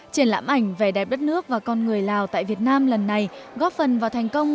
triển lãm ảnh vẻ đẹp đất nước và con người lào tại việt nam lần này góp phần vào thành công